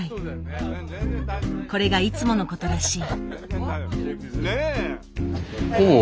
これがいつものことらしい。